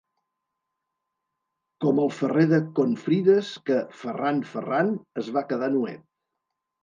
Com el ferrer de Confrides que, ferrant, ferrant, es va quedar nuet.